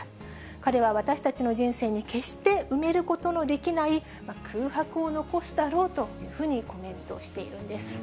彼は私たちの人生に決して埋めることのできない空白を残すだろうというふうにコメントしているんです。